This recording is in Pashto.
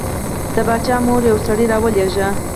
د باچا مور یو سړی راولېږه.